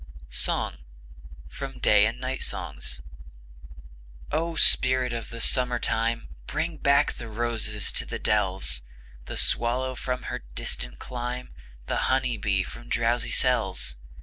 From 'Ballads and Songs.' SONG O spirit of the Summer time! Bring back the roses to the dells; The swallow from her distant clime, The honey bee from drowsy cells.